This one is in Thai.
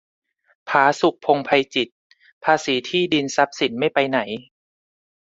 ผาสุก พงษ์ไพจิตร : ภาษีที่ดิน-ทรัพย์สินไม่ไปไหน